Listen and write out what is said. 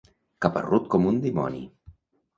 Caparrut com un dimoni.